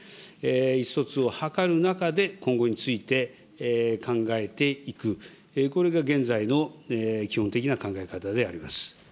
意思疎通を図る中で、今後について考えていく、これが現在の基本的な考え方であります。